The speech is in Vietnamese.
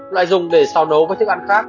loại dùng để sau nấu với thức ăn khác